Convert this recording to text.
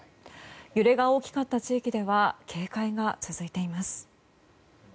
揺れが大きかった地域では警戒が続いています。